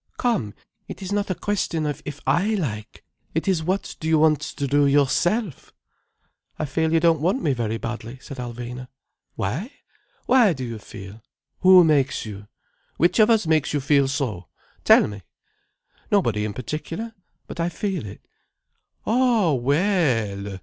Come, it is not a question of if I like. It is what do you want to do yourself." "I feel you don't want me very badly," said Alvina. "Why? Why do you feel? Who makes you? Which of us makes you feel so? Tell me." "Nobody in particular. But I feel it." "Oh we ell!